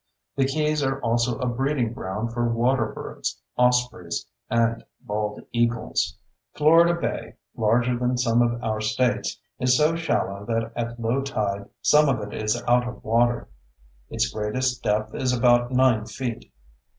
The keys are also a breeding ground for water birds, ospreys, and bald eagles. Florida Bay, larger than some of our States, is so shallow that at low tide some of it is out of water; its greatest depth is about 9 feet.